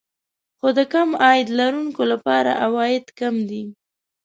خو د کم عاید لرونکو لپاره عواید کم دي